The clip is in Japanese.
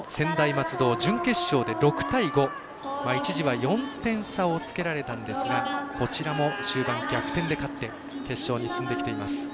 松戸を準決勝で６対５一時は４点差をつけられたんですがこちらも終盤逆転で勝って決勝に進んできています。